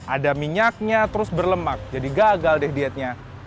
ada minyaknya terus berlemak jadi gagal deh dietnya